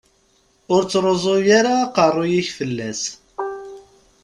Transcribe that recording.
Ur ttruẓu ara aqerru-k fell-as.